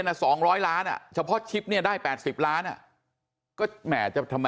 นั่นทำคนเดียวทำไม่ได้เหรอ